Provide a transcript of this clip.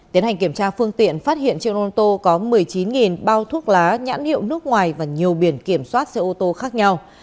tiến hành kiểm tra phương tiện phát hiện chiếc ô tô có một mươi chín bao thuốc lá nhãn hiệu nước ngoài và nhiều biển kiểm soát xe ô tô khác nhau